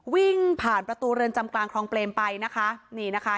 วิ่งผ่านประตูเรือนจำกลางคลองเปรมไปนะคะนี่นะคะ